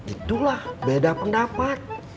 itulah beda pendapat